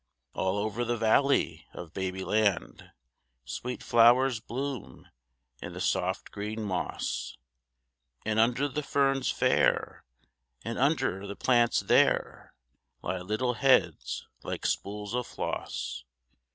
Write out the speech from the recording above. All over the Valley of Babyland Sweet flowers bloom in the soft green moss; And under the ferns fair, and under the plants there, Lie little heads like spools of floss.